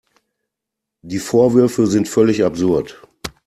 Die Vorwürfe sind völlig absurd.